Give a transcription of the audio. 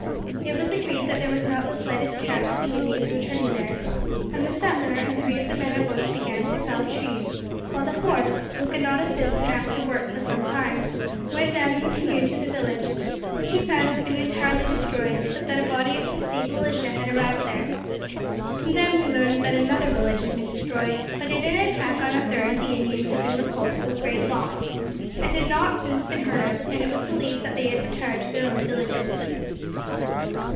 It was agreed that there was not the slightest chance of the Indians returning there, and the settler and three of the men at once began to fell trees; while the fourth, who could not assist in active work for some time, went down in the canoe to the village, which he found had been entirely destroyed, but that a body of the State militia had arrived there. From them he learned that another village had been destroyed; but in an attack on a third the Indians had been repulsed with great loss, and had not since been heard of, and it was believed that they had retired to their own villages.